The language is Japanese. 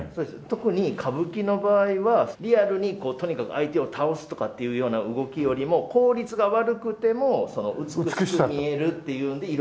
特に歌舞伎の場合はリアルにこうとにかく相手を倒すとかっていうような動きよりも効率が悪くても美しく見えるっていうんで色々。